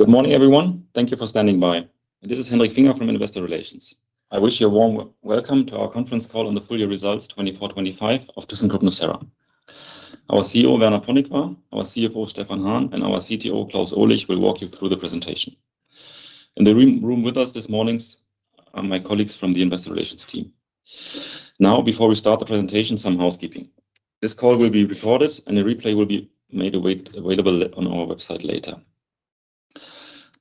Good morning, everyone. Thank you for standing by. This is Hendrik Finger from Investor Relations. I wish you a warm welcome to our conference call on the full-year results 2024-2025 of thyssenkrupp nucera. Our CEO, Werner Ponikwar, our CFO, Stefan Hahn, and our CTO, Klaus Ohlig, will walk you through the presentation. In the room with us this morning are my colleagues from the Investor Relations team. Now, before we start the presentation, some housekeeping. This call will be recorded, and a replay will be made available on our website later.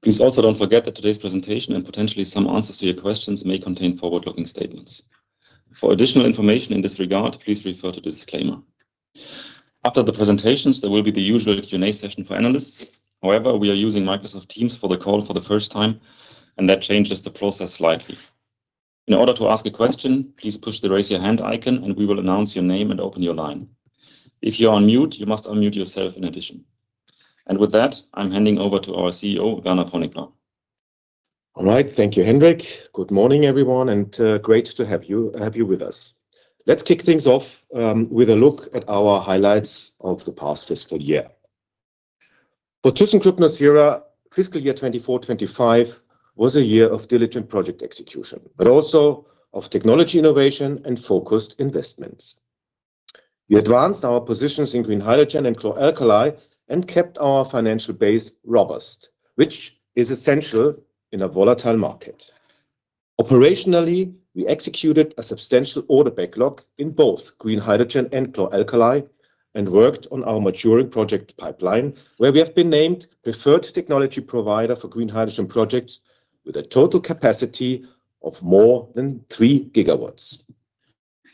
Please also don't forget that today's presentation and potentially some answers to your questions may contain forward-looking statements. For additional information in this regard, please refer to the disclaimer. After the presentations, there will be the usual Q&A session for analysts. However, we are using Microsoft Teams for the call for the first time, and that changes the process slightly. In order to ask a question, please push the raise your hand icon, and we will announce your name and open your line. If you are on mute, you must unmute yourself in addition, and with that, I'm handing over to our CEO, Werner Ponikwar. All right. Thank you, Hendrik. Good morning, everyone, and great to have you with us. Let's kick things off with a look at our highlights of the past fiscal year. For thyssenkrupp nucera, fiscal year 2024-2025 was a year of diligent project execution, but also of technology innovation and focused investments. We advanced our positions in green hydrogen and chlor-alkali and kept our financial base robust, which is essential in a volatile market. Operationally, we executed a substantial order backlog in both green hydrogen and chlor-alkali and worked on our maturing project pipeline, where we have been named preferred technology provider for green hydrogen projects with a total capacity of more than three gigawatts.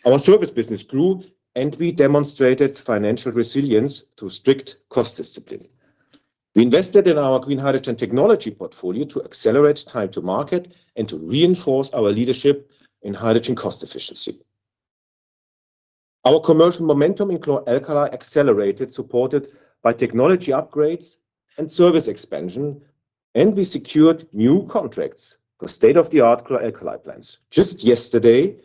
Our service business grew, and we demonstrated financial resilience through strict cost discipline. We invested in our green hydrogen technology portfolio to accelerate time to market and to reinforce our leadership in hydrogen cost efficiency. Our commercial momentum in chlor-alkali accelerated, supported by technology upgrades and service expansion, and we secured new contracts for state-of-the-art chlor-alkali plants. Just yesterday,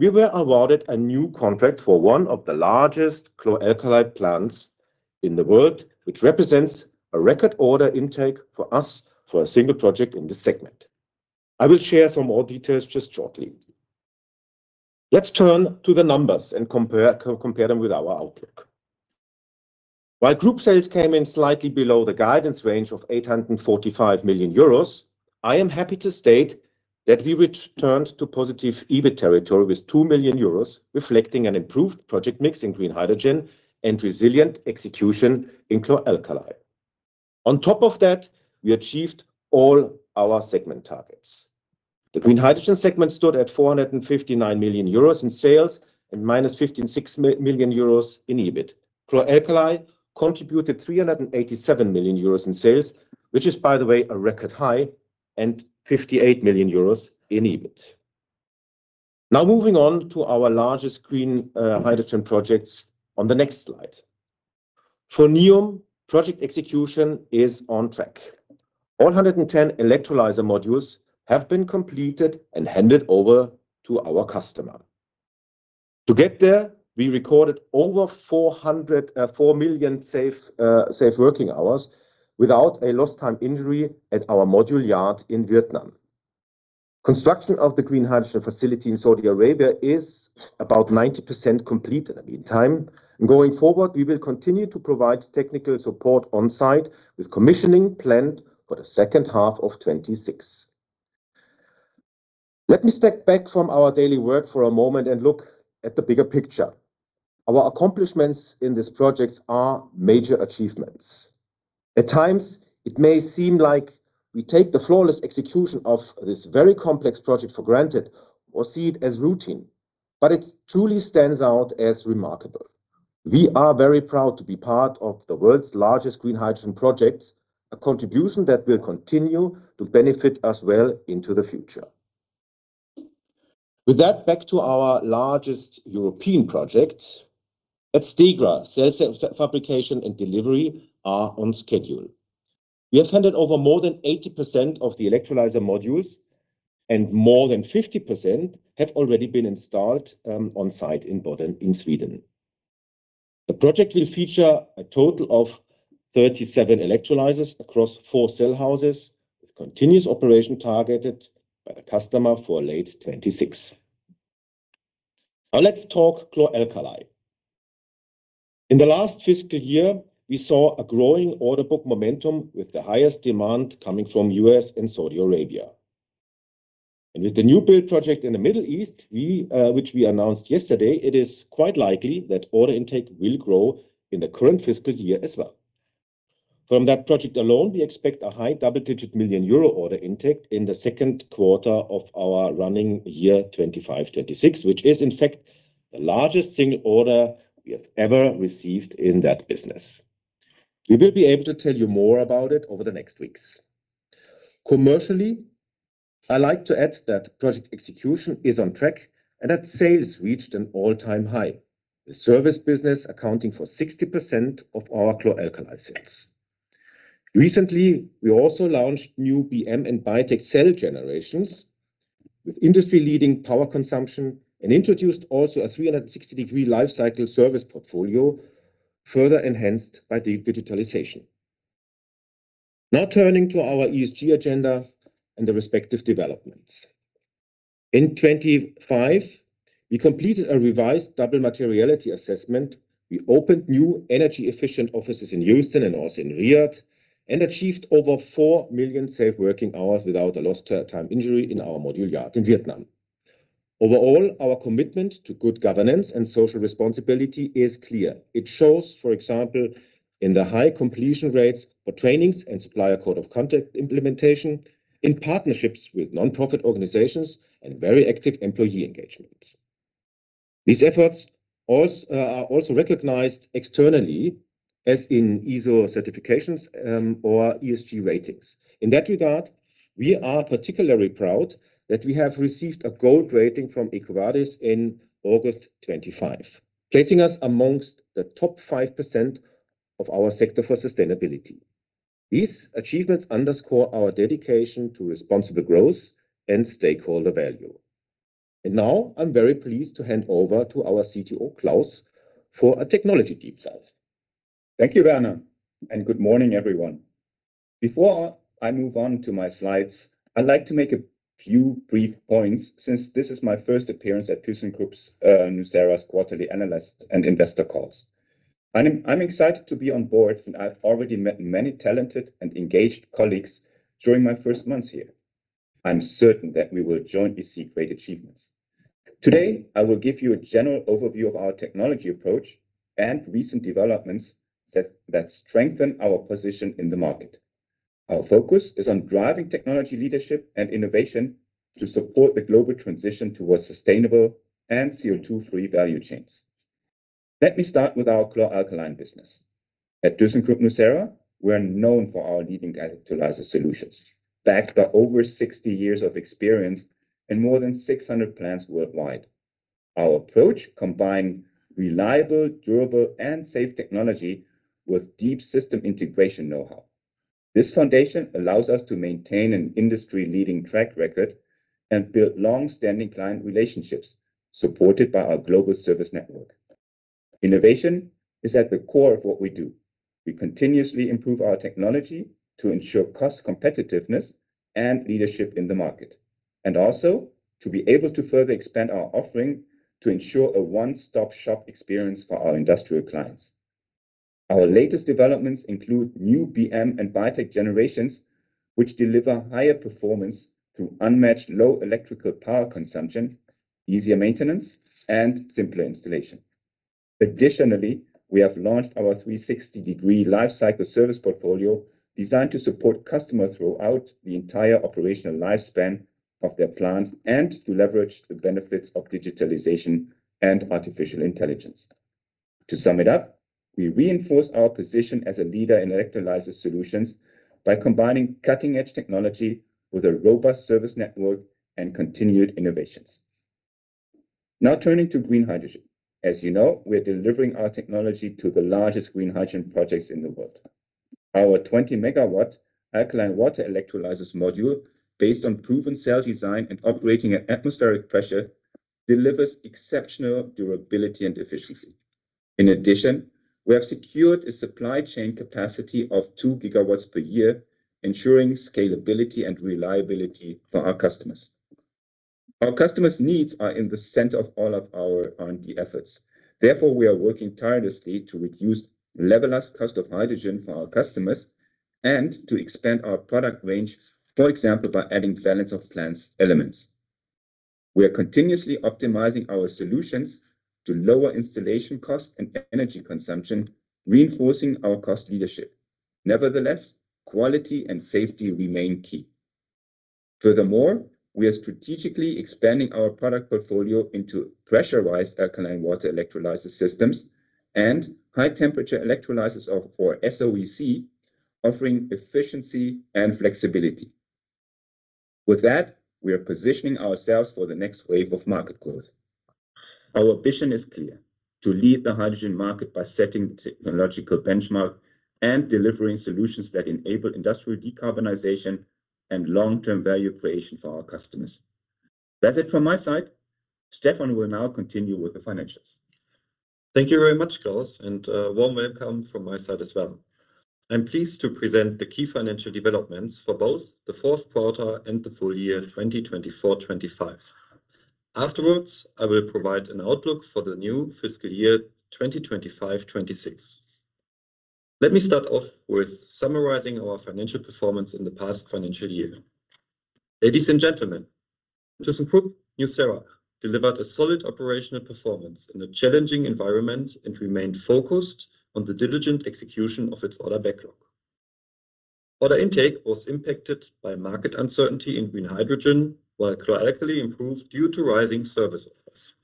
we were awarded a new contract for one of the largest chlor-alkali plants in the world, which represents a record order intake for us for a single project in the segment. I will share some more details just shortly. Let's turn to the numbers and compare them with our outlook. While group sales came in slightly below the guidance range of 845 million euros, I am happy to state that we returned to positive EBIT territory with 2 million euros, reflecting an improved project mix in green hydrogen and resilient execution in chlor-alkali. On top of that, we achieved all our segment targets. The green hydrogen segment stood at 459 million euros in sales and 56 million euros in EBIT. Chlor-alkali contributed 387 million euros in sales, which is, by the way, a record high, and 58 million euros in EBIT. Now, moving on to our largest green hydrogen projects on the next slide. For NEOM, project execution is on track. 110 electrolyzer modules have been completed and handed over to our customer. To get there, we recorded over four million safe working hours without a lost-time injury at our module yard in Vietnam. Construction of the green hydrogen facility in Saudi Arabia is about 90% complete in the meantime. Going forward, we will continue to provide technical support on-site with commissioning planned for the second half of 2026. Let me step back from our daily work for a moment and look at the bigger picture. Our accomplishments in these projects are major achievements. At times, it may seem like we take the flawless execution of this very complex project for granted or see it as routine, but it truly stands out as remarkable. We are very proud to be part of the world's largest green hydrogen projects, a contribution that will continue to benefit us well into the future. With that, back to our largest European project. At Stegra, cell fabrication and delivery are on schedule. We have handed over more than 80% of the electrolyzer modules, and more than 50% have already been installed on-site in Sweden. The project will feature a total of 37 electrolyzers across four cell houses with continuous operation targeted by the customer for late 2026. Now, let's talk chlor-alkali. In the last fiscal year, we saw a growing order book momentum with the highest demand coming from the U.S. and Saudi Arabia. With the new build project in the Middle East, which we announced yesterday, it is quite likely that order intake will grow in the current fiscal year as well. From that project alone, we expect a high double-digit million Euro order intake in the second quarter of our running year 2025-2026, which is, in fact, the largest single order we have ever received in that business. We will be able to tell you more about it over the next weeks. Commercially, I like to add that project execution is on track and that sales reached an all-time high. The service business, accounting for 60% of our chlor-alkali sales. Recently, we also launched new BM and BiTAC cell generations with industry-leading power consumption and introduced also a 360° Life Cycle Service Portfolio further enhanced by digitalization. Now, turning to our ESG agenda and the respective developments. In 2025, we completed a revised double materiality assessment. We opened new energy-efficient offices in Houston and also in Riyadh and achieved over four million safe working hours without a lost-time injury in our module yard in Vietnam. Overall, our commitment to good governance and social responsibility is clear. It shows, for example, in the high completion rates for trainings and supplier code of conduct implementation in partnerships with nonprofit organizations and very active employee engagements. These efforts are also recognized externally as in ISO certifications or ESG ratings. In that regard, we are particularly proud that we have received a gold rating from EcoVadis in August 2025, placing us amongst the top 5% of our sector for sustainability. These achievements underscore our dedication to responsible growth and stakeholder value, and now I'm very pleased to hand over to our CTO, Klaus, for a technology deep dive. Thank you, Werner, and good morning, everyone. Before I move on to my slides, I'd like to make a few brief points since this is my first appearance at thyssenkrupp nucera's quarterly analysts and investor calls. I'm excited to be on board, and I've already met many talented and engaged colleagues during my first month here. I'm certain that we will jointly see great achievements. Today, I will give you a general overview of our technology approach and recent developments that strengthen our position in the market. Our focus is on driving technology leadership and innovation to support the global transition towards sustainable and CO2-free value chains. Let me start with our chlor-alkali business. At thyssenkrupp nucera, we're known for our leading electrolyzer solutions, backed by over 60 years of experience in more than 600 plants worldwide. Our approach combines reliable, durable, and safe technology with deep system integration know-how. This foundation allows us to maintain an industry-leading track record and 3 build long-standing client relationships supported by our global service network. Innovation is at the core of what we do. We continuously improve our technology to ensure cost competitiveness and leadership in the market, and also to be able to further expand our offering to ensure a one-stop-shop experience for our industrial clients. Our latest developments include new BM and BiTAC generations, which deliver higher performance through unmatched low electrical power consumption, easier maintenance, and simpler installation. Additionally, we have launched our 360° Life Cycle Service Portfolio designed to support customers throughout the entire operational lifespan of their plants and to leverage the benefits of digitalization and artificial intelligence. To sum it up, we reinforce our position as a leader in electrolyzer solutions by combining cutting-edge technology with a robust service network and continued innovations. Now, turning to green hydrogen. As you know, we're delivering our technology to the largest green hydrogen projects in the world. Our 20 MW alkaline water electrolyzer module, based on proven cell design and operating at atmospheric pressure, delivers exceptional durability and efficiency. In addition, we have secured a supply chain capacity of 2 GW per year, ensuring scalability and reliability for our customers. Our customers' needs are in the center of all of our R&D efforts. Therefore, we are working tirelessly to reduce levelized cost of hydrogen for our customers and to expand our product range, for example, by adding balance of plant elements. We are continuously optimizing our solutions to lower installation costs and energy consumption, reinforcing our cost leadership. Nevertheless, quality and safety remain key. Furthermore, we are strategically expanding our product portfolio into pressurized alkaline water electrolyzer systems and high-temperature electrolyzers for SOEC, offering efficiency and flexibility. With that, we are positioning ourselves for the next wave of market growth. Our vision is clear: to lead the hydrogen market by setting the technological benchmark and delivering solutions that enable industrial decarbonization and long-term value creation for our customers. That's it from my side. Stefan will now continue with the financials. Thank you very much, Klaus, and a warm welcome from my side as well. I'm pleased to present the key financial developments for both the fourth quarter and the full year 2024-2025. Afterwards, I will provide an outlook for the new fiscal year 2025-2026. Let me start off with summarizing our financial performance in the past financial year. Ladies and gentlemen, thyssenkrupp nucera delivered a solid operational performance in a challenging environment and remained focused on the diligent execution of its order backlog. Order intake was impacted by market uncertainty in green hydrogen, while chlor-alkali improved due to rising service orders.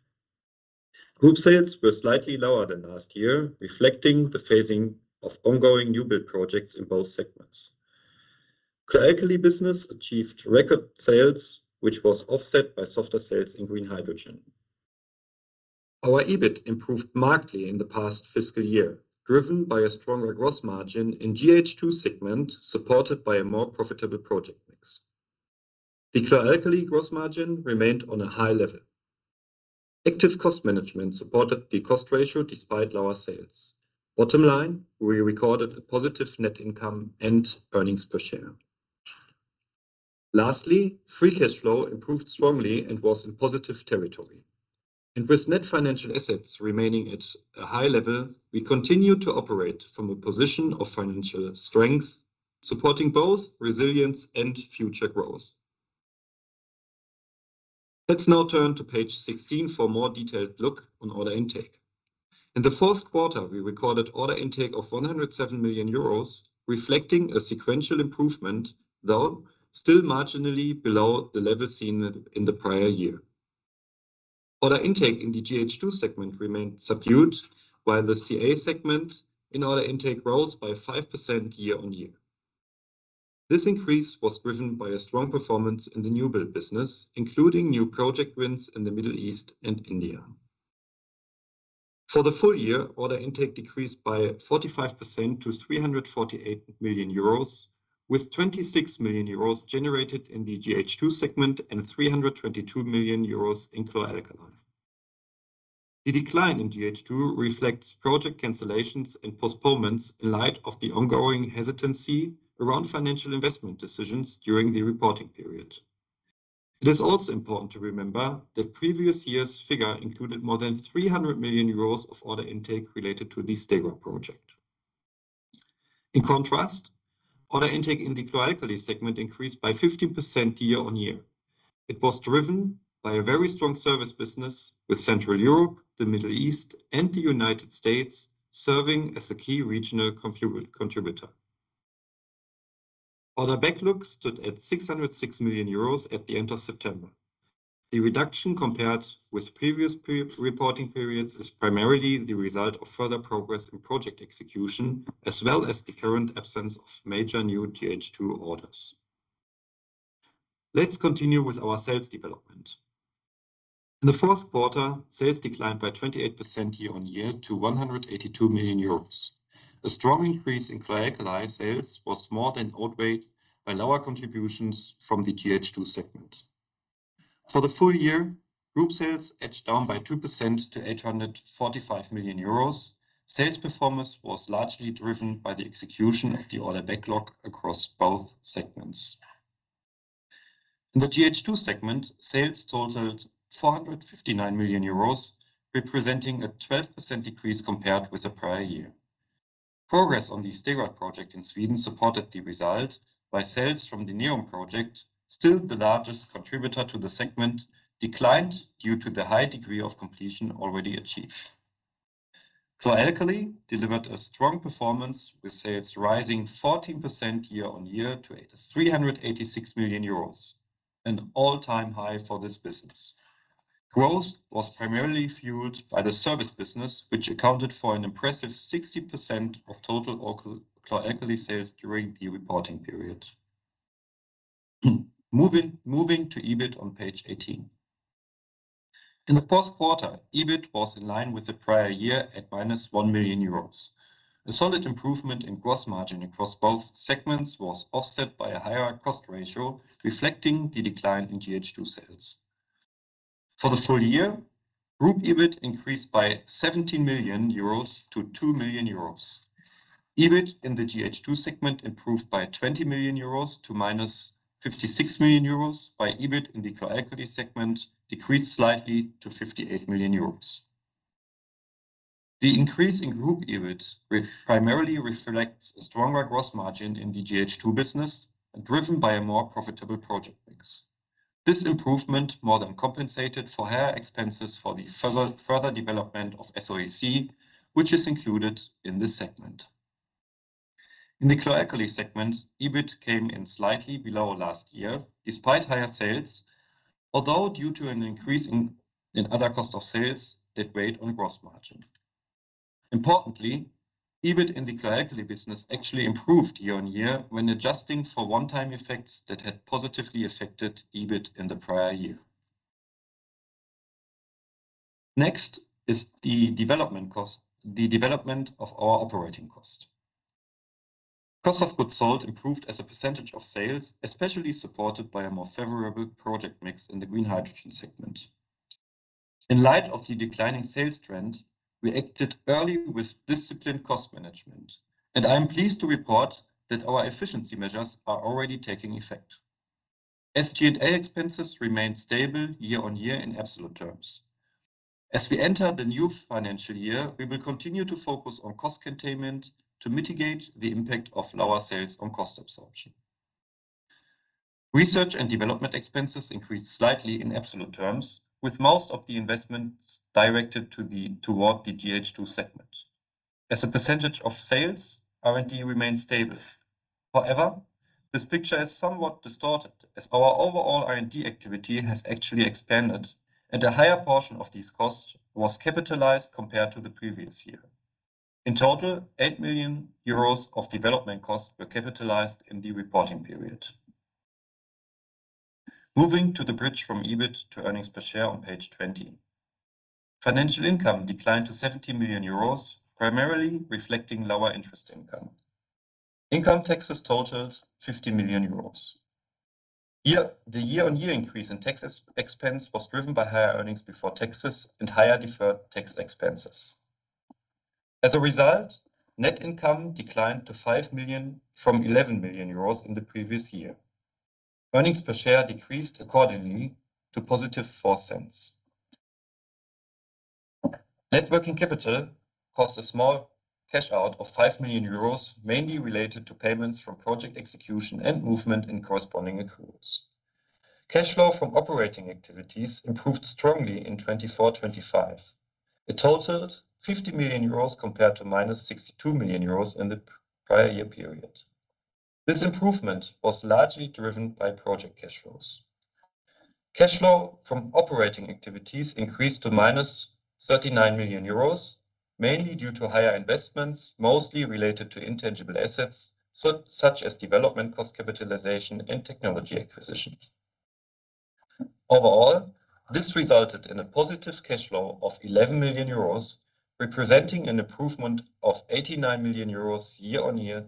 Group sales were slightly lower than last year, reflecting the phasing of ongoing new build projects in both segments. Chlor-alkali business achieved record sales, which was offset by softer sales in green hydrogen. Our EBIT improved markedly in the past fiscal year, driven by a stronger gross margin in gH2 segment supported by a more profitable project mix. The chlor-alkali gross margin remained on a high level. Active cost management supported the cost ratio despite lower sales. Bottom line, we recorded a positive net income and earnings per share. Lastly, free cash flow improved strongly and was in positive territory, and with net financial assets remaining at a high level, we continue to operate from a position of financial strength, supporting both resilience and future growth. Let's now turn to page 16 for a more detailed look on order intake. In the fourth quarter, we recorded order intake of 107 million euros, reflecting a sequential improvement, though still marginally below the level seen in the prior year. Order intake in the gH2 segment remained subdued, while the CA segment in order intake rose by 5% year-on-year. This increase was driven by a strong performance in the new build business, including new project wins in the Middle East and India. For the full year, order intake decreased by 45% to 348 million euros, with 26 million euros generated in the gH2 segment and 322 million euros in chlor-alkali. The decline in gH2 reflects project cancellations and postponements in light of the ongoing hesitancy around financial investment decisions during the reporting period. It is also important to remember that previous year's figure included more than 300 million euros of order intake related to the Stegra project. In contrast, order intake in the chlor-alkali segment increased by 15% year-on-year. It was driven by a very strong service business with Central Europe, the Middle East, and the United States, serving as a key regional contributor. Order backlog stood at 606 million euros at the end of September. The reduction compared with previous reporting periods is primarily the result of further progress in project execution, as well as the current absence of major new gH2 orders. Let's continue with our sales development. In the fourth quarter, sales declined by 28% year-on-year to 182 million euros. A strong increase in chlor-alkali sales was more than outweighed by lower contributions from the gH2 segment. For the full year, group sales edged down by 2% to 845 million euros. Sales performance was largely driven by the execution of the order backlog across both segments. In the gH2 segment, sales totaled 459 million euros, representing a 12% decrease compared with the prior year. Progress on the Stegra project in Sweden supported the result, while sales from the NEOM project, still the largest contributor to the segment, declined due to the high degree of completion already achieved. Chlor-alkali delivered a strong performance, with sales rising 14% year-on-year to 386 million euros, an all-time high for this business. Growth was primarily fueled by the service business, which accounted for an impressive 60% of total chlor-alkali sales during the reporting period. Moving to EBIT on page 18. In the fourth quarter, EBIT was in line with the prior year at 1 million euros. A solid improvement in gross margin across both segments was offset by a higher cost ratio, reflecting the decline in gH2 sales. For the full year, group EBIT increased by 17 million euros to 2 million euros. EBIT in the gH2 segment improved by 20 million euros to 56 million euros, while EBIT in the chlor-alkali segment decreased slightly to 58 million euros. The increase in group EBIT primarily reflects a stronger gross margin in the gH2 business, driven by a more profitable project mix. This improvement more than compensated for higher expenses for the further development of SOEC, which is included in this segment. In the chlor-alkali segment, EBIT came in slightly below last year, despite higher sales, although due to an increase in other cost of sales that weighed on gross margin. Importantly, EBIT in the chlor-alkali business actually improved year-on-year when adjusting for one-time effects that had positively affected EBIT in the prior year. Next is the development of our operating cost. Cost of goods sold improved as a percentage of sales, especially supported by a more favorable project mix in the green hydrogen segment. In light of the declining sales trend, we acted early with disciplined cost management, and I'm pleased to report that our efficiency measures are already taking effect. SG&A expenses remained stable year-on-year in absolute terms. As we enter the new financial year, we will continue to focus on cost containment to mitigate the impact of lower sales on cost absorption. Research and development expenses increased slightly in absolute terms, with most of the investments directed toward the gH2 segment. As a percentage of sales, R&D remained stable. However, this picture is somewhat distorted, as our overall R&D activity has actually expanded, and a higher portion of these costs was capitalized compared to the previous year. In total, 8 million euros of development costs were capitalized in the reporting period. Moving to the bridge from EBIT to earnings per share on page 20. Financial income declined to 70 million euros, primarily reflecting lower interest income. Income taxes totaled 50 million euros. The year-on-year increase in tax expense was driven by higher earnings before taxes and higher deferred tax expenses. As a result, net income declined to 5 million from 11 million euros in the previous year. Earnings per share decreased accordingly to +0.04. Net working capital cost a small cash out of 5 million euros, mainly related to payments from project execution and movement in corresponding accruals. Cash flow from operating activities improved strongly in 2024-2025. It totaled 50 million euros compared to 62 million euros in the prior year period. This improvement was largely driven by project cash flows. Cash flow from operating activities increased to 39 million euros, mainly due to higher investments, mostly related to intangible assets such as development cost capitalization and technology acquisition. Overall, this resulted in a positive cash flow of 11 million euros, representing an improvement of 89 million euros year-on-year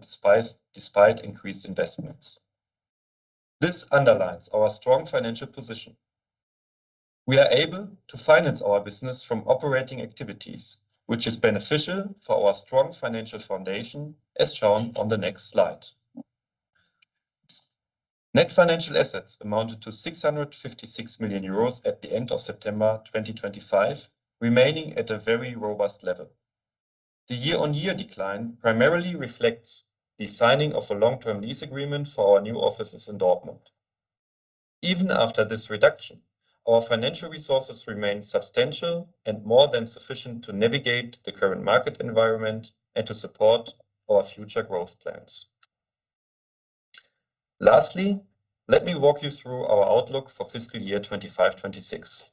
despite increased investments. This underlines our strong financial position. We are able to finance our business from operating activities, which is beneficial for our strong financial foundation, as shown on the next slide. Net financial assets amounted to 656 million euros at the end of September 2025, remaining at a very robust level. The year-on-year decline primarily reflects the signing of a long-term lease agreement for our new offices in Dortmund. Even after this reduction, our financial resources remain substantial and more than sufficient to navigate the current market environment and to support our future growth plans. Lastly, let me walk you through our outlook for fiscal year 2025-2026.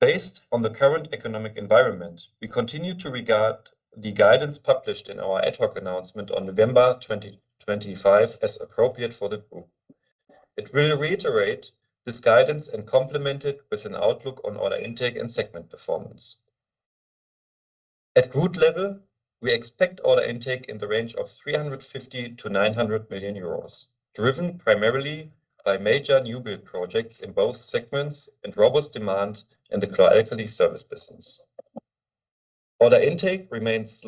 Based on the current economic environment, we continue to regard the guidance published in our ad hoc announcement on November 2025 as appropriate for the group. It will reiterate this guidance and complement it with an outlook on order intake and segment performance. At group level, we expect order intake in the range of 350 million-900 million euros, driven primarily by major new build projects in both segments and robust demand in the chlor-alkali service business. Order intake remains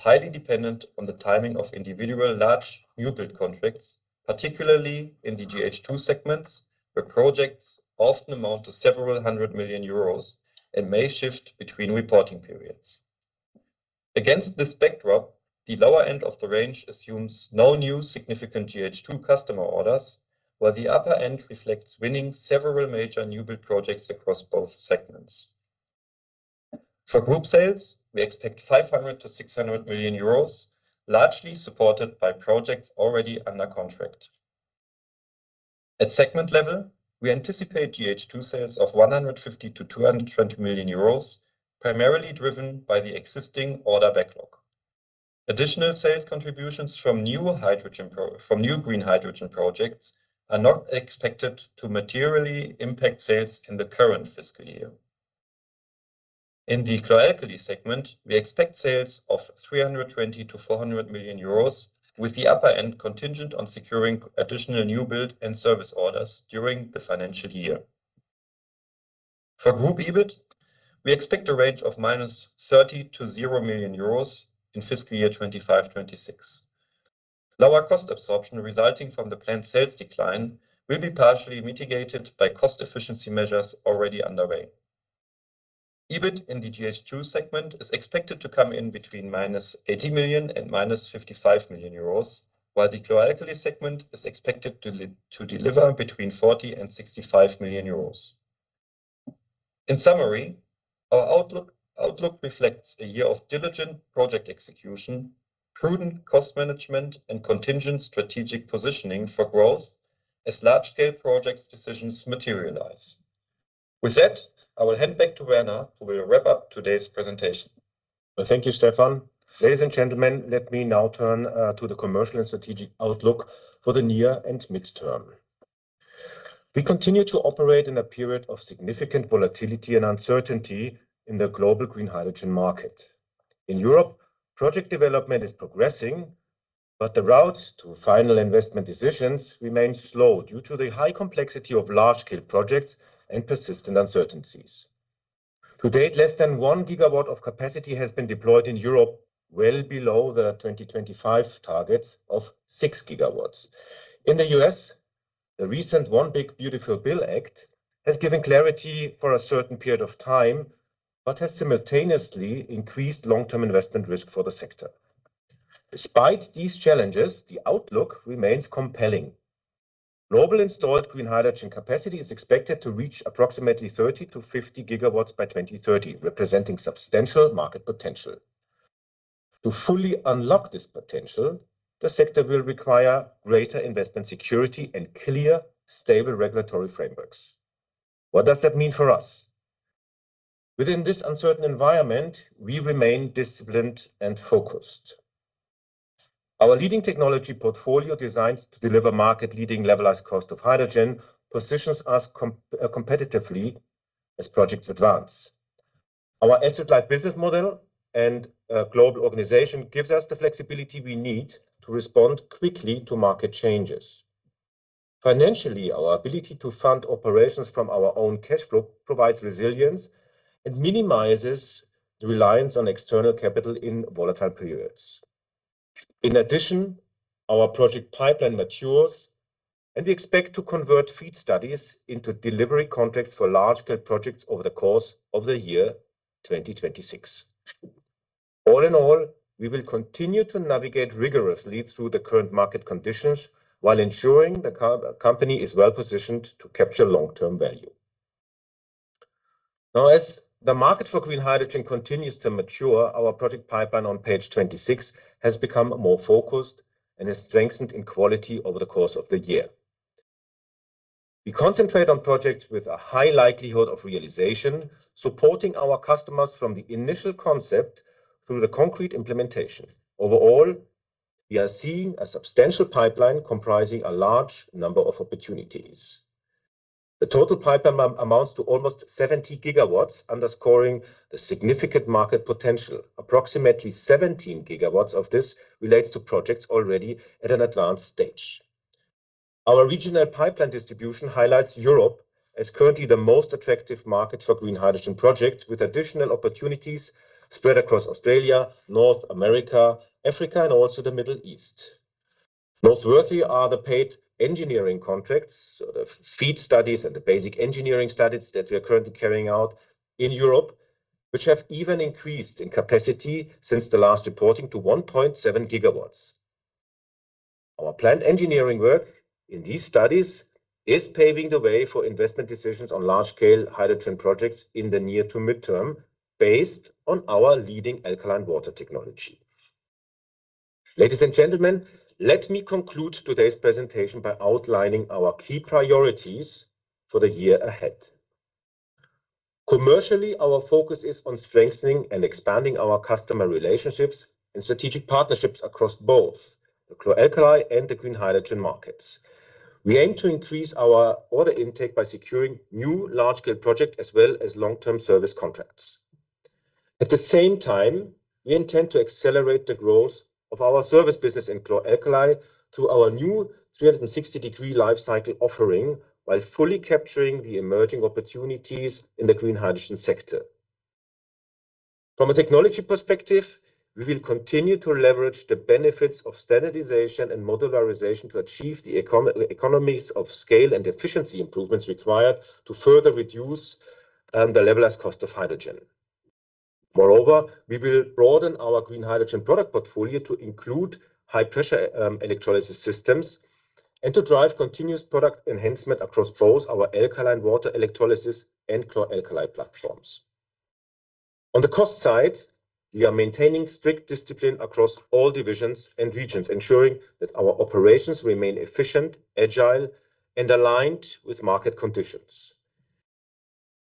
highly dependent on the timing of individual large new build contracts, particularly in the gH2 segments, where projects often amount to several hundred million euros and may shift between reporting periods. Against this backdrop, the lower end of the range assumes no new significant gH2 customer orders, while the upper end reflects winning several major new build projects across both segments. For group sales, we expect 500 million-600 million euros, largely supported by projects already under contract. At segment level, we anticipate gH2 sales of 150 million-220 million euros, primarily driven by the existing order backlog. Additional sales contributions from new green hydrogen projects are not expected to materially impact sales in the current fiscal year. In the chlor-alkali segment, we expect sales of 320 million-400 million euros, with the upper end contingent on securing additional new build and service orders during the financial year. For group EBIT, we expect a range of -30 million-0 million euros in fiscal year 2025-2026. Lower cost absorption resulting from the planned sales decline will be partially mitigated by cost efficiency measures already underway. EBIT in the gH2 segment is expected to come in between 80 million and 55 million euros, while the chlor-alkali segment is expected to deliver between 40 million and 65 million euros. In summary, our outlook reflects a year of diligent project execution, prudent cost management, and contingent strategic positioning for growth as large-scale project decisions materialize. With that, I will hand back to Werner, who will wrap up today's presentation. Thank you, Stefan. Ladies and gentlemen, let me now turn to the commercial and strategic outlook for the near and midterm. We continue to operate in a period of significant volatility and uncertainty in the global green hydrogen market. In Europe, project development is progressing, but the route to final investment decisions remains slow due to the high complexity of large-scale projects and persistent uncertainties. To date, less than one gigawatt of capacity has been deployed in Europe, well below the 2025 targets of six gigawatts. In the U.S., the recent One Big Beautiful Bill Act has given clarity for a certain period of time but has simultaneously increased long-term investment risk for the sector. Despite these challenges, the outlook remains compelling. Global installed green hydrogen capacity is expected to reach approximately 30 GW-50 GW by 2030, representing substantial market potential. To fully unlock this potential, the sector will require greater investment security and clear, stable regulatory frameworks. What does that mean for us? Within this uncertain environment, we remain disciplined and focused. Our leading technology portfolio, designed to deliver market-leading levelized cost of hydrogen, positions us competitively as projects advance. Our asset-like business model and global organization give us the flexibility we need to respond quickly to market changes. Financially, our ability to fund operations from our own cash flow provides resilience and minimizes the reliance on external capital in volatile periods. In addition, our project pipeline matures, and we expect to convert FEED studies into delivery contracts for large-scale projects over the course of the year 2026. All in all, we will continue to navigate rigorously through the current market conditions while ensuring the company is well positioned to capture long-term value. Now, as the market for green hydrogen continues to mature, our project pipeline on page 26 has become more focused and has strengthened in quality over the course of the year. We concentrate on projects with a high likelihood of realization, supporting our customers from the initial concept through the concrete implementation. Overall, we are seeing a substantial pipeline comprising a large number of opportunities. The total pipeline amounts to almost 70 GW, underscoring the significant market potential. Approximately 17 GW of this relates to projects already at an advanced stage. Our regional pipeline distribution highlights Europe as currently the most attractive market for green hydrogen projects, with additional opportunities spread across Australia, North America, Africa, and also the Middle East. Noteworthy are the paid engineering contracts, the FEED studies, and the basic engineering studies that we are currently carrying out in Europe, which have even increased in capacity since the last reporting to 1.7 GW. Our planned engineering work in these studies is paving the way for investment decisions on large-scale hydrogen projects in the near to midterm, based on our leading alkaline water technology. Ladies and gentlemen, let me conclude today's presentation by outlining our key priorities for the year ahead. Commercially, our focus is on strengthening and expanding our customer relationships and strategic partnerships across both the chlor-alkali and the green hydrogen markets. We aim to increase our order intake by securing new large-scale projects as well as long-term service contracts. At the same time, we intend to accelerate the growth of our service business in chlor-alkali through our new 360° Life Cycle offering while fully capturing the emerging opportunities in the green hydrogen sector. From a technology perspective, we will continue to leverage the benefits of standardization and modularization to achieve the economies of scale and efficiency improvements required to further reduce the levelized cost of hydrogen. Moreover, we will broaden our green hydrogen product portfolio to include high-pressure electrolysis systems and to drive continuous product enhancement across both our alkaline water electrolysis and chlor-alkali platforms. On the cost side, we are maintaining strict discipline across all divisions and regions, ensuring that our operations remain efficient, agile, and aligned with market conditions.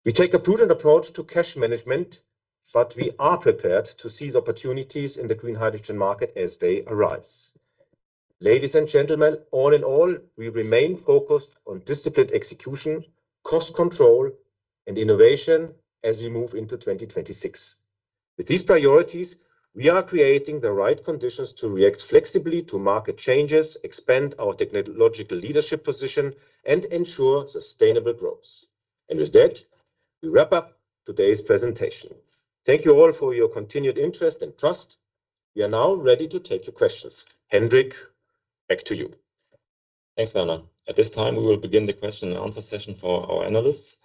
We take a prudent approach to cash management, but we are prepared to seize opportunities in the green hydrogen market as they arise. Ladies and gentlemen, all in all, we remain focused on disciplined execution, cost control, and innovation as we move into 2026. With these priorities, we are creating the right conditions to react flexibly to market changes, expand our technological leadership position, and ensure sustainable growth. And with that, we wrap up today's presentation. Thank you all for your continued interest and trust. We are now ready to take your questions. Hendrik, back to you. Thanks, Werner. At this time, we will begin the question-and answer-session for our analysts.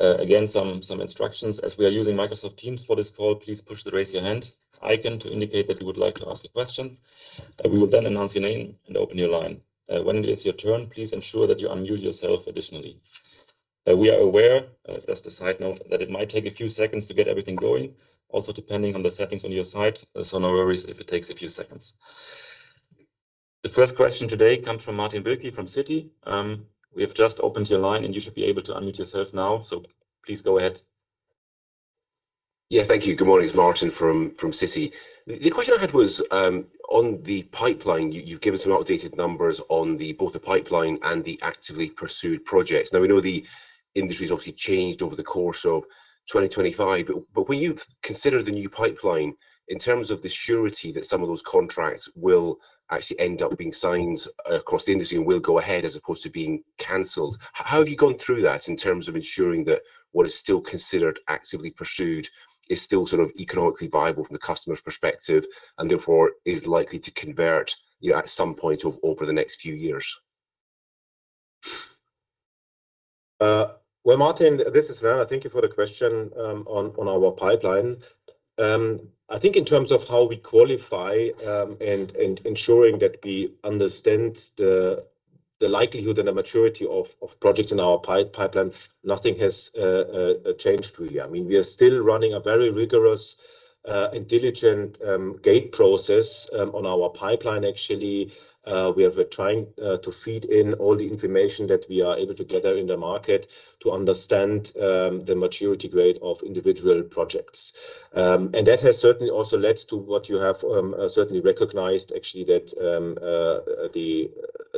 Again, some instructions: as we are using Microsoft Teams for this call, please push the raise your hand icon to indicate that you would like to ask a question. We will then announce your name and open your line. When it is your turn, please ensure that you unmute yourself additionally. We are aware, just a side note, that it might take a few seconds to get everything going, also depending on the settings on your side. So no worries if it takes a few seconds. The first question today comes from Martin Wilkie from Citi. We have just opened your line, and you should be able to unmute yourself now. So please go ahead. Yeah, thank you. Good morning. It's Martin from Citi. The question I had was on the pipeline. You've given some outdated numbers on both the pipeline and the actively pursued projects. Now, we know the industry has obviously changed over the course of 2025, but when you consider the new pipeline, in terms of the surety that some of those contracts will actually end up being signed across the industry and will go ahead as opposed to being canceled, how have you gone through that in terms of ensuring that what is still considered actively pursued is still sort of economically viable from the customer's perspective and therefore is likely to convert at some point over the next few years? Martin, this is Werner. Thank you for the question on our pipeline. I think in terms of how we qualify and ensuring that we understand the likelihood and the maturity of projects in our pipeline, nothing has changed, really. I mean, we are still running a very rigorous and diligent gate process on our pipeline, actually. We are trying to feed in all the information that we are able to gather in the market to understand the maturity grade of individual projects, and that has certainly also led to what you have certainly recognized, actually, that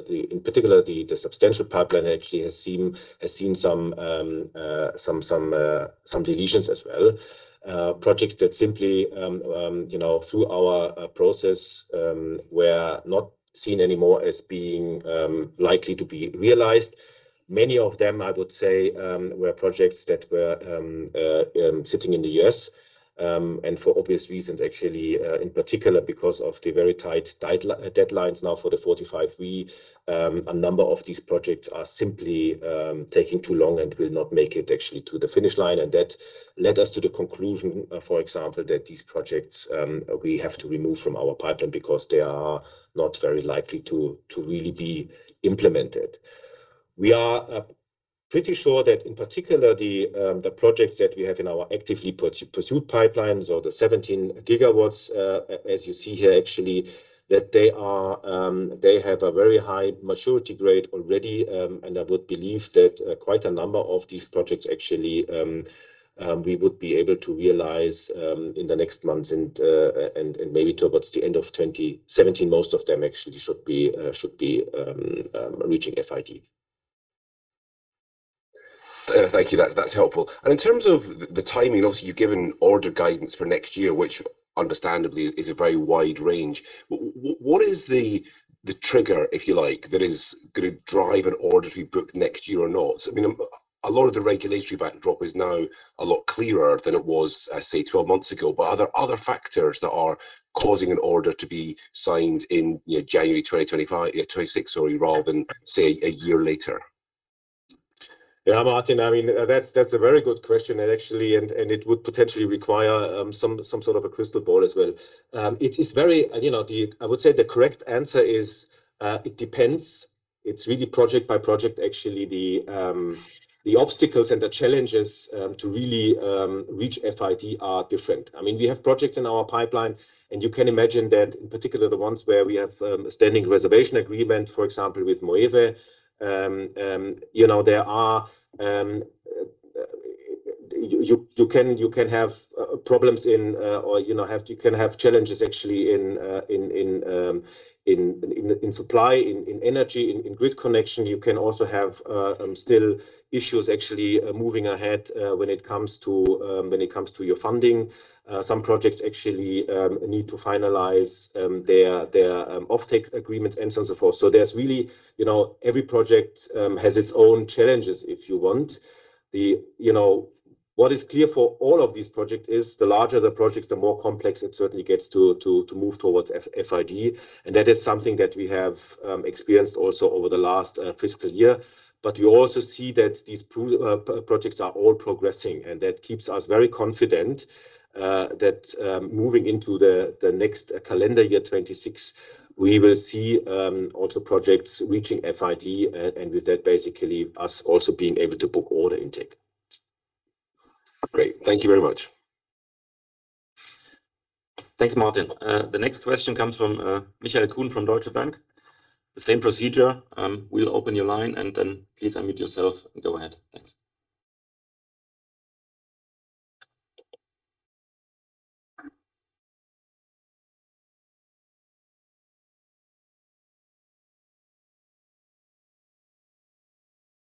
in particular, the substantial pipeline actually has seen some deletions as well, projects that simply through our process were not seen anymore as being likely to be realized. Many of them, I would say, were projects that were sitting in the U.S. and for obvious reasons, actually, in particular because of the very tight deadlines now for the 45V. A number of these projects are simply taking too long and will not make it actually to the finish line, and that led us to the conclusion, for example, that these projects we have to remove from our pipeline because they are not very likely to really be implemented. We are pretty sure that in particular, the projects that we have in our actively pursued pipeline, so the 17 GW, as you see here, actually, that they have a very high maturity grade already. And I would believe that quite a number of these projects actually we would be able to realize in the next months and maybe towards the end of 2017, most of them actually should be reaching FID. Thank you. That's helpful. And in terms of the timing, obviously, you've given order guidance for next year, which understandably is a very wide range. What is the trigger, if you like, that is going to drive an order to be booked next year or not? I mean, a lot of the regulatory backdrop is now a lot clearer than it was, say, 12 months ago. But are there other factors that are causing an order to be signed in January 2026, sorry, rather than, say, a year later? Yeah, Martin, I mean, that's a very good question, actually, and it would potentially require some sort of a crystal ball as well. It's very, I would say the correct answer is it depends. It's really project by project, actually. The obstacles and the challenges to really reach FID are different. I mean, we have projects in our pipeline, and you can imagine that, in particular, the ones where we have a standing reservation agreement, for example, with Moeve. There you can have problems in or you can have challenges, actually, in supply, in energy, in grid connection. You can also have still issues, actually, moving ahead when it comes to your funding. Some projects, actually, need to finalize their offtake agreements and so on and so forth. So there's really every project has its own challenges, if you want. What is clear for all of these projects is the larger the projects, the more complex it certainly gets to move towards FID. And that is something that we have experienced also over the last fiscal year. But we also see that these projects are all progressing, and that keeps us very confident that moving into the next calendar year, 2026, we will see also projects reaching FID and with that, basically, us also being able to book order intake. Great. Thank you very much. Thanks, Martin. The next question comes from Michael Kuhn from Deutsche Bank. The same procedure. We'll open your line, and then please unmute yourself and go ahead. Thanks.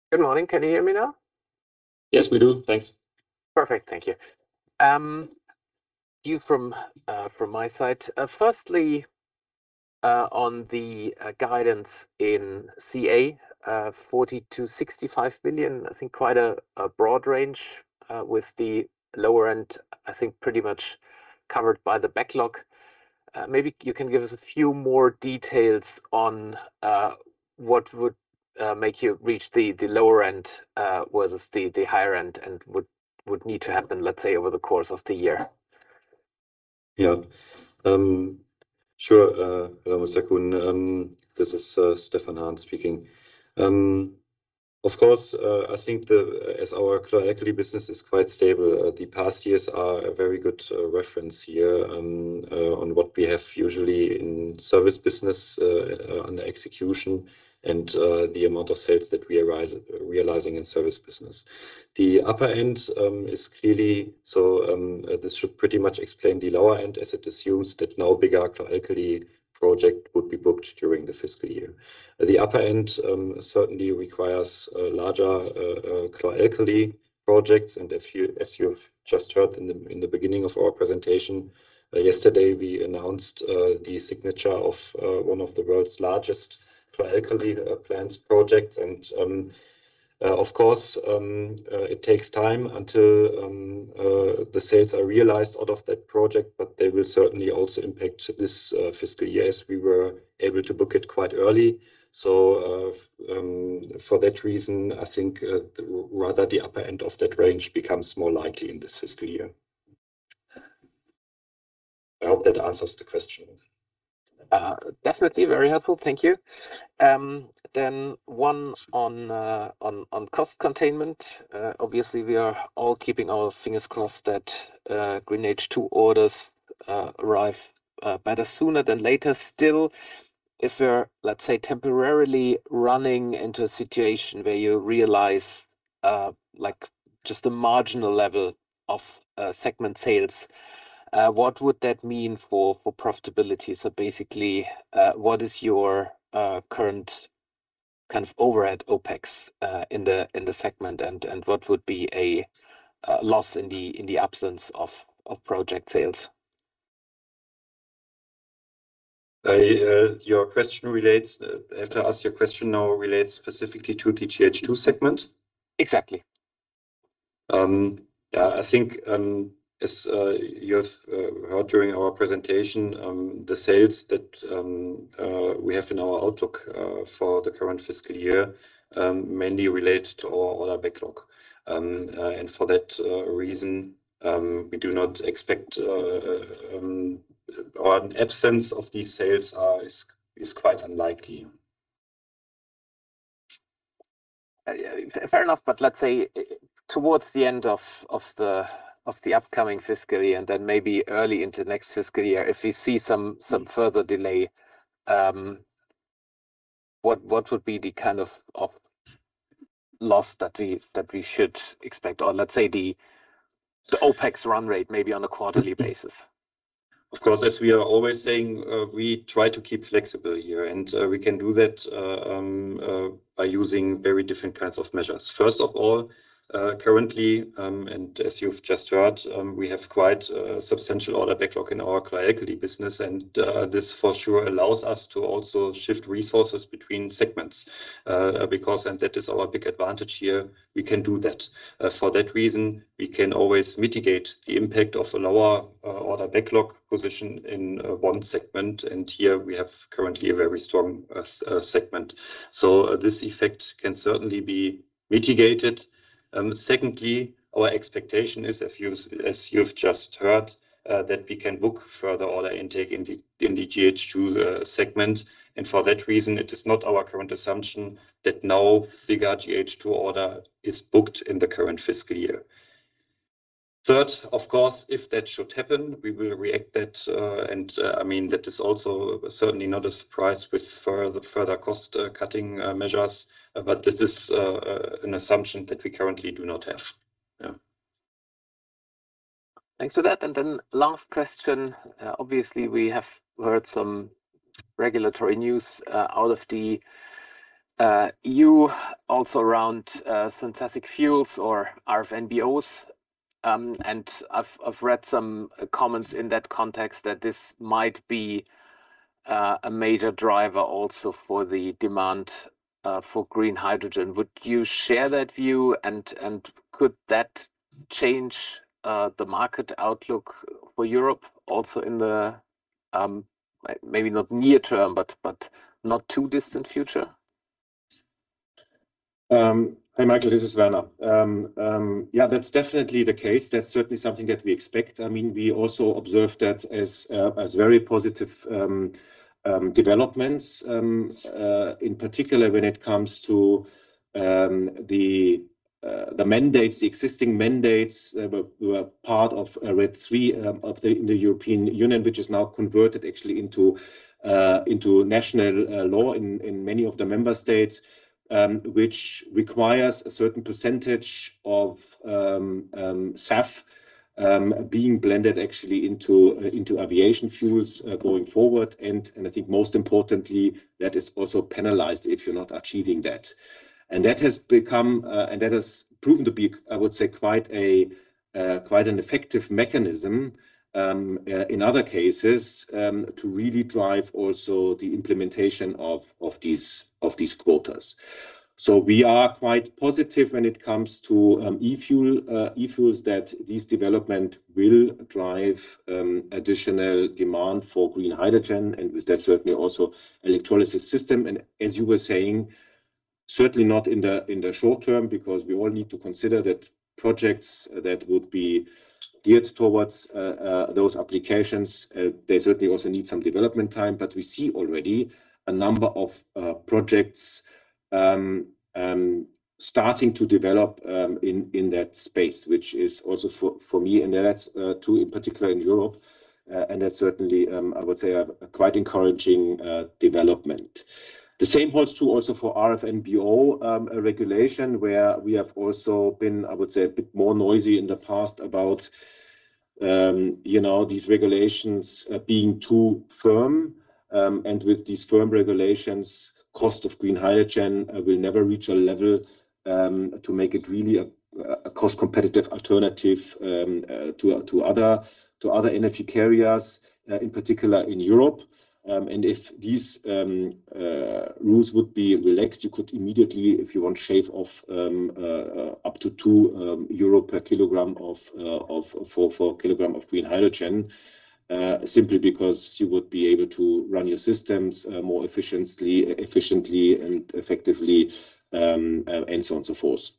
Good morning. Can you hear me now? Yes, we do. Thanks. Perfect. Thank you. View from my side. Firstly, on the guidance in CA, 40 billion-65 billion, I think quite a broad range with the lower end, I think, pretty much covered by the backlog. Maybe you can give us a few more details on what would make you reach the lower end versus the higher end and would need to happen, let's say, over the course of the year. Yeah. Sure. Hello, Mr. Kuhn. This is Stefan Hahn speaking. Of course, I think as our chlor-alkali business is quite stable, the past years are a very good reference here on what we have usually in service business under execution and the amount of sales that we are realizing in service business. The upper end is clearly. This should pretty much explain the lower end as it assumes that no bigger chlor-alkali project would be booked during the fiscal year. The upper end certainly requires larger chlor-alkali projects. As you've just heard in the beginning of our presentation, yesterday, we announced the signature of one of the world's largest chlor-alkali plants projects. Of course, it takes time until the sales are realized out of that project, but they will certainly also impact this fiscal year as we were able to book it quite early. For that reason, I think rather the upper end of that range becomes more likely in this fiscal year. I hope that answers the question. Definitely very helpful. Thank you. Then one on cost containment. Obviously, we are all keeping our fingers crossed that green H2 orders arrive better sooner than later still. If we're, let's say, temporarily running into a situation where you realize just a marginal level of segment sales, what would that mean for profitability? So basically, what is your current kind of overhead OpEx in the segment, and what would be a loss in the absence of project sales? Your question now relates specifically to the gH2 segment? Exactly. Yeah. I think, as you have heard during our presentation, the sales that we have in our outlook for the current fiscal year mainly relate to our order backlog. And for that reason, we do not expect, or an absence of these sales is quite unlikely. Fair enough. But let's say towards the end of the upcoming fiscal year and then maybe early into next fiscal year, if we see some further delay, what would be the kind of loss that we should expect or let's say the OpEx run rate maybe on a quarterly basis? Of course, as we are always saying, we try to keep flexible here, and we can do that by using very different kinds of measures. First of all, currently, and as you've just heard, we have quite a substantial order backlog in our chlor-alkali business, and this for sure allows us to also shift resources between segments because that is our big advantage here. We can do that. For that reason, we can always mitigate the impact of a lower order backlog position in one segment, and here, we have currently a very strong segment. So this effect can certainly be mitigated. Secondly, our expectation is, as you've just heard, that we can book further order intake in the gH2 segment. And for that reason, it is not our current assumption that no bigger gH2 order is booked in the current fiscal year. Third, of course, if that should happen, we will react that. And I mean, that is also certainly not a surprise with further cost-cutting measures, but this is an assumption that we currently do not have. Yeah. Thanks for that. And then last question. Obviously, we have heard some regulatory news out of the EU also around synthetic fuels or RFNBOs. And I've read some comments in that context that this might be a major driver also for the demand for green hydrogen. Would you share that view? And could that change the market outlook for Europe also in the maybe not near term, but not too distant future? Hi, Michael. This is Werner. Yeah, that's definitely the case. That's certainly something that we expect. I mean, we also observe that as very positive developments, in particular when it comes to the mandates, the existing mandates. We were part of RED III in the European Union, which is now converted actually into national law in many of the member states, which requires a certain percentage of SAF being blended actually into aviation fuels going forward. And I think most importantly, that is also penalized if you're not achieving that. And that has become and that has proven to be, I would say, quite an effective mechanism in other cases to really drive also the implementation of these quotas. So we are quite positive when it comes to e-fuels that this development will drive additional demand for green hydrogen and with that certainly also electrolysis system. And as you were saying, certainly not in the short term because we all need to consider that projects that would be geared towards those applications, they certainly also need some development time. But we see already a number of projects starting to develop in that space, which is also, for me too, in particular in Europe. And that's certainly, I would say, a quite encouraging development. The same holds true also for RFNBO regulation where we have also been, I would say, a bit more noisy in the past about these regulations being too firm. And with these firm regulations, cost of green hydrogen will never reach a level to make it really a cost-competitive alternative to other energy carriers, in particular in Europe. If these rules would be relaxed, you could immediately, if you want, shave off up to 2 euro per kilogram of four kilogram of green hydrogen simply because you would be able to run your systems more efficiently and effectively and so on and so forth.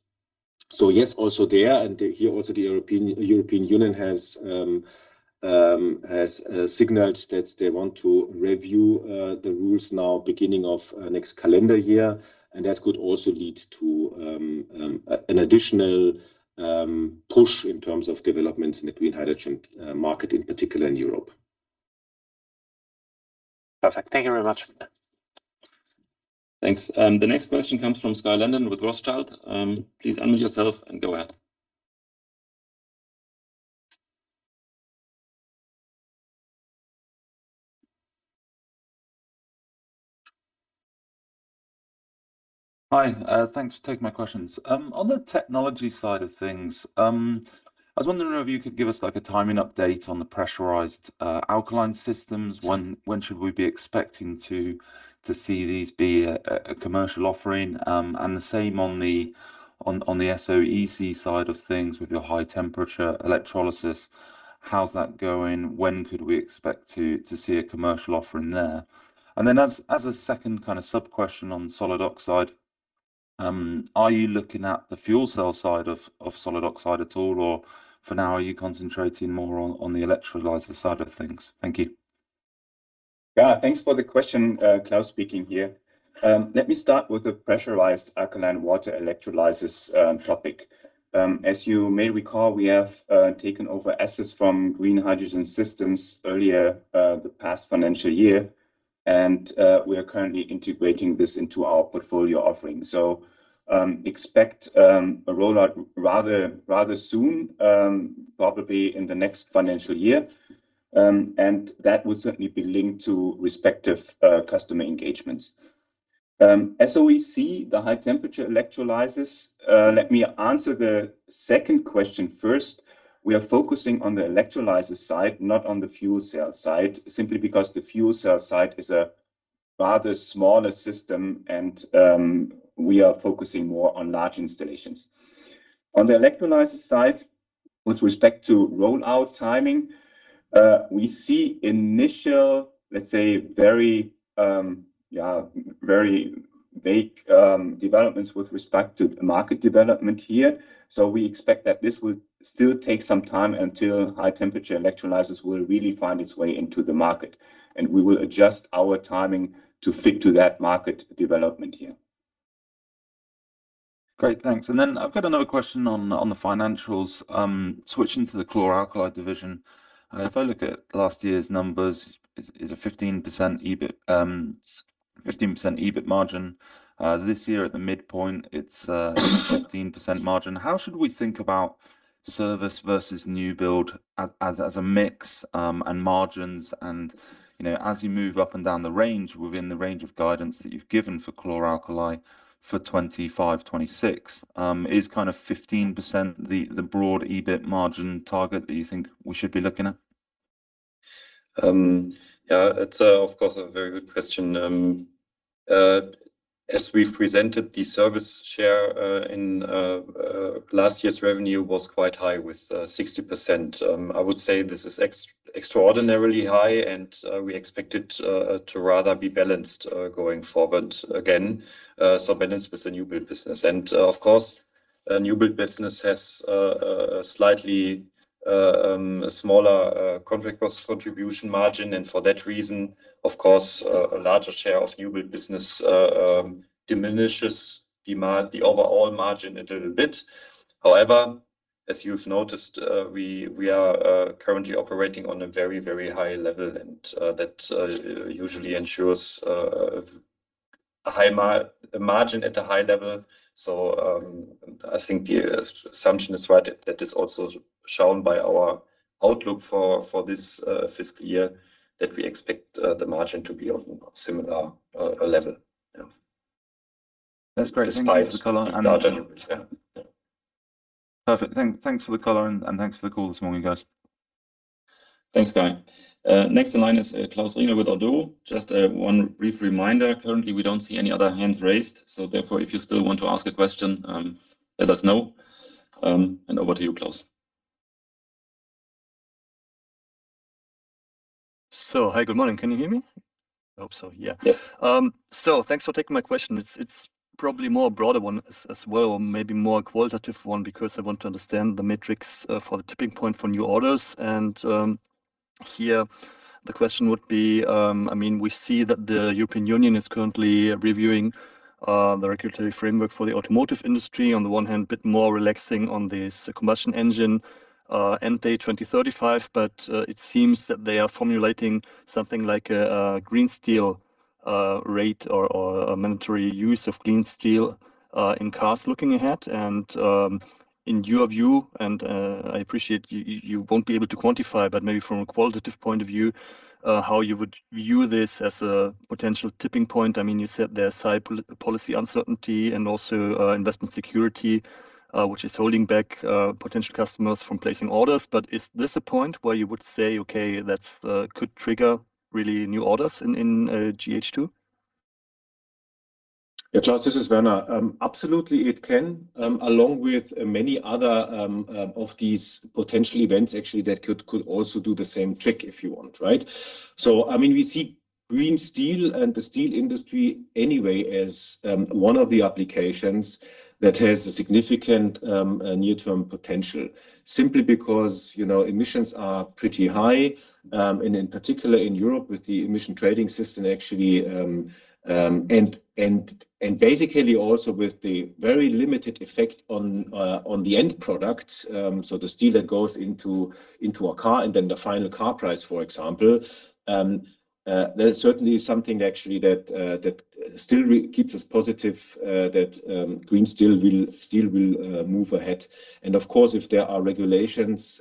So yes, also there. Here also, the European Union has signaled that they want to review the rules now beginning of next calendar year. That could also lead to an additional push in terms of developments in the green hydrogen market, in particular in Europe. Perfect. Thank you very much. Thanks. The next question comes from Skye Landon with Rothschild. Please unmute yourself and go ahead. Hi. Thanks for taking my questions. On the technology side of things, I was wondering if you could give us a timing update on the pressurized alkaline systems. When should we be expecting to see these be a commercial offering? And the same on the SOEC side of things with your high temperature electrolysis. How's that going? When could we expect to see a commercial offering there? And then as a second kind of sub-question on solid oxide, are you looking at the fuel cell side of solid oxide at all, or for now, are you concentrating more on the electrolyzer side of things? Thank you. Yeah. Thanks for the question. Klaus speaking here. Let me start with the pressurized alkaline water electrolyzers topic. As you may recall, we have taken over assets from Green Hydrogen Systems earlier the past financial year, and we are currently integrating this into our portfolio offering. So expect a rollout rather soon, probably in the next financial year. And that would certainly be linked to respective customer engagements. SOEC, the high-temperature electrolyzers, let me answer the second question first. We are focusing on the electrolyzer side, not on the fuel cell side, simply because the fuel cell side is a rather smaller system, and we are focusing more on large installations. On the electrolyzer side, with respect to rollout timing, we see initial, let's say, very vague developments with respect to the market development here. So we expect that this will still take some time until high-temperature electrolyzers will really find its way into the market. And we will adjust our timing to fit to that market development here. Great. Thanks. And then I've got another question on the financials, switching to the chlor-alkali division. If I look at last year's numbers, it's a 15% EBIT margin. This year, at the midpoint, it's a 15% margin. How should we think about service versus new build as a mix and margins? And as you move up and down the range within the range of guidance that you've given for chlor-alkali for 2025, 2026, is kind of 15% the broad EBIT margin target that you think we should be looking at? Yeah. It's, of course, a very good question. As we've presented, the service share in last year's revenue was quite high with 60%. I would say this is extraordinarily high, and we expect it to rather be balanced going forward again, so balanced with the new build business. And of course, new build business has a slightly smaller contract cost contribution margin. And for that reason, of course, a larger share of new build business diminishes the overall margin a little bit. However, as you've noticed, we are currently operating on a very, very high level, and that usually ensures a margin at a high level. So I think the assumption is right that is also shown by our outlook for this fiscal year that we expect the margin to be on a similar level. That's great. Thank you for the color. Perfect. Thanks for the color, and thanks for the call this morning, guys. Thanks, Skye. Next in line is [Klaus Rehner] with Ardour. Just one brief reminder. Currently, we don't see any other hands raised. So therefore, if you still want to ask a question, let us know. And over to you, Klaus. So hi, good morning. Can you hear me? I hope so. Yeah. So thanks for taking my question. It's probably more a broader one as well, maybe more a qualitative one because I want to understand the metrics for the tipping point for new orders. And here, the question would be, I mean, we see that the European Union is currently reviewing the regulatory framework for the automotive industry. On the one hand, a bit more relaxing on this combustion engine end date 2035, but it seems that they are formulating something like a green steel rate or a mandatory use of green steel in cars looking ahead. And in your view, and I appreciate you won't be able to quantify, but maybe from a qualitative point of view, how you would view this as a potential tipping point. I mean, you said there's high policy uncertainty and also investment security, which is holding back potential customers from placing orders. But is this a point where you would say, "Okay, that could trigger really new orders in gH2?" Yeah, Klaus, this is Werner. Absolutely, it can, along with many other of these potential events actually that could also do the same trick if you want, right? So I mean, we see green steel and the steel industry anyway as one of the applications that has a significant near-term potential simply because emissions are pretty high, and in particular in Europe with the Emissions Trading System actually, and basically also with the very limited effect on the end product. So the steel that goes into a car and then the final car price, for example, there's certainly something actually that still keeps us positive that green steel will move ahead. And of course, if there are regulations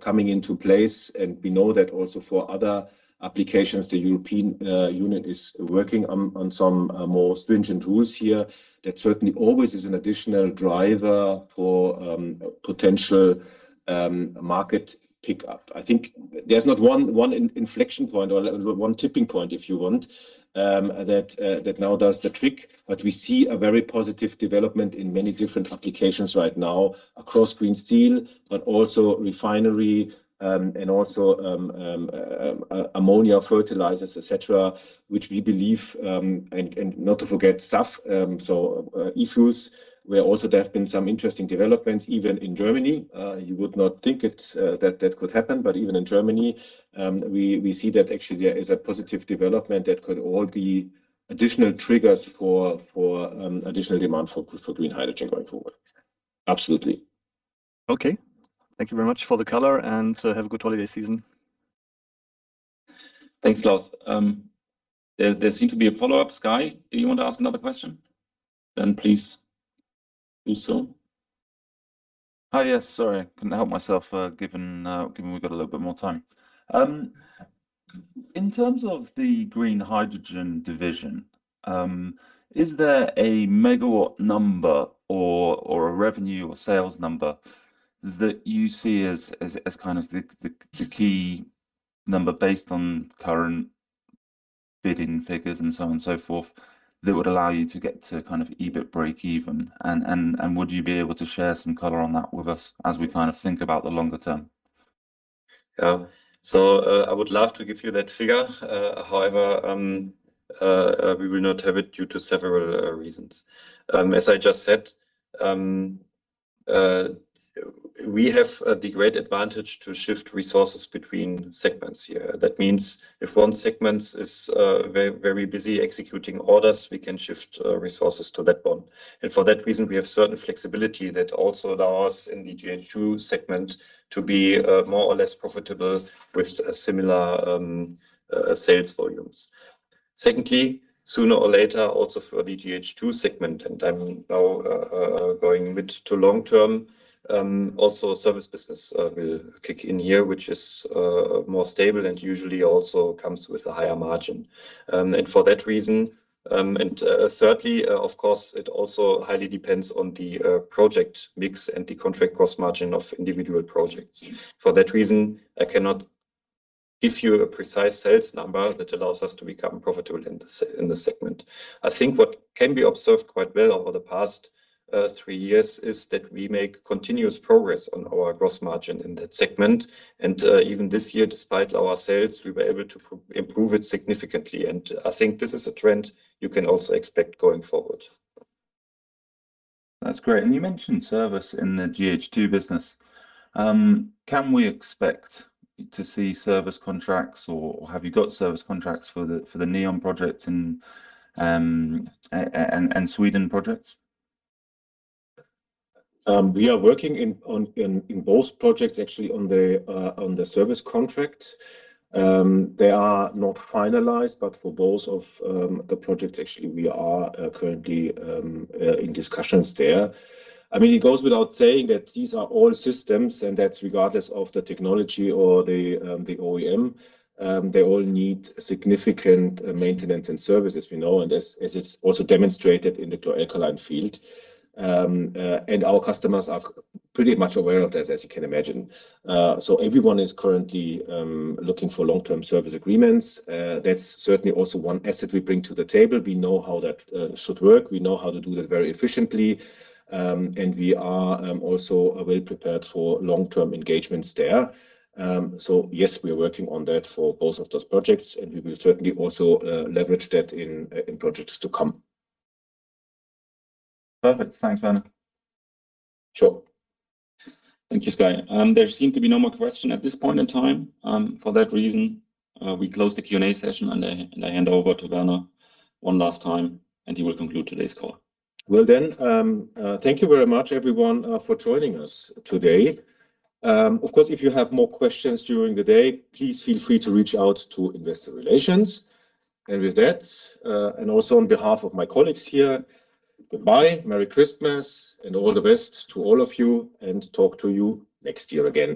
coming into place, and we know that also for other applications, the European Union is working on some more stringent rules here, that certainly always is an additional driver for potential market pickup. I think there's not one inflection point or one tipping point, if you want, that now does the trick. But we see a very positive development in many different applications right now across green steel, but also refinery and also ammonia fertilizers, etc., which we believe, and not to forget SAF, so e-fuels. Where also there have been some interesting developments, even in Germany. You would not think that that could happen, but even in Germany, we see that actually there is a positive development that could all be additional triggers for additional demand for green hydrogen going forward. Absolutely. Okay. Thank you very much for the color, and have a good holiday season. Thanks, Klaus. There seems to be a follow-up. Skye, do you want to ask another question? Then please do so. Hi, yes, sorry. I couldn't help myself given we've got a little bit more time. In terms of the green hydrogen division, is there a megawatt number or a revenue or sales number that you see as kind of the key number based on current bidding figures and so on and so forth that would allow you to get to kind of EBIT break even? And would you be able to share some color on that with us as we kind of think about the longer term? Yeah. So I would love to give you that figure. However, we will not have it due to several reasons. As I just said, we have the great advantage to shift resources between segments here. That means if one segment is very busy executing orders, we can shift resources to that one. And for that reason, we have certain flexibility that also allows in the gH2 segment to be more or less profitable with similar sales volumes. Secondly, sooner or later also for the gH2 segment, and I'm now going mid to long term, also service business will kick in here, which is more stable and usually also comes with a higher margin. And for that reason, and thirdly, of course, it also highly depends on the project mix and the contract cost margin of individual projects. For that reason, I cannot give you a precise sales number that allows us to become profitable in the segment. I think what can be observed quite well over the past three years is that we make continuous progress on our gross margin in that segment. And even this year, despite our sales, we were able to improve it significantly. And I think this is a trend you can also expect going forward. That's great. And you mentioned service in the gH2 business. Can we expect to see service contracts, or have you got service contracts for the NEOM projects and Sweden projects? We are working in both projects actually on the service contracts. They are not finalized, but for both of the projects actually, we are currently in discussions there. I mean, it goes without saying that these are all systems, and that's regardless of the technology or the OEM. They all need significant maintenance and service, as we know, and as it's also demonstrated in the chlor-alkali field. Our customers are pretty much aware of that, as you can imagine. Everyone is currently looking for long-term service agreements. That's certainly also one asset we bring to the table. We know how that should work. We know how to do that very efficiently. We are also well prepared for long-term engagements there. Yes, we're working on that for both of those projects, and we will certainly also leverage that in projects to come. Perfect. Thanks, Werner. Sure. Thank you, Sky. There seem to be no more questions at this point in time. For that reason, we close the Q&A session, and I hand over to Werner one last time, and he will conclude today's call. Thank you very much, everyone, for joining us today. Of course, if you have more questions during the day, please feel free to reach out to Investor Relations. And with that, and also on behalf of my colleagues here, goodbye. Merry Christmas, and all the best to all of you, and talk to you next year again.